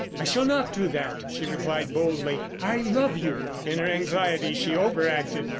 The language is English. "I shall not do that," she replied boldly. "I love you." In her anxiety she over acted.